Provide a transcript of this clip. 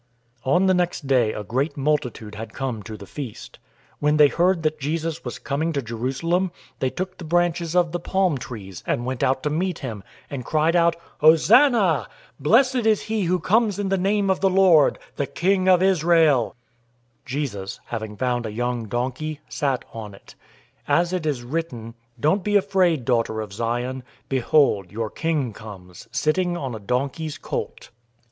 012:012 On the next day a great multitude had come to the feast. When they heard that Jesus was coming to Jerusalem, 012:013 they took the branches of the palm trees, and went out to meet him, and cried out, "Hosanna{"Hosanna" means "save us" or "help us, we pray."}! Blessed is he who comes in the name of the Lord,{Psalm 118:25 26} the King of Israel!" 012:014 Jesus, having found a young donkey, sat on it. As it is written, 012:015 "Don't be afraid, daughter of Zion. Behold, your King comes, sitting on a donkey's colt."